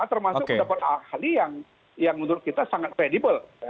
termasuk pendapat ahli yang menurut kita sangat kredibel